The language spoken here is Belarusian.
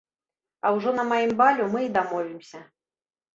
А ўжо на маім балю мы і дамовімся.